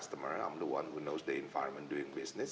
saya yang tahu lingkungan dalam bisnis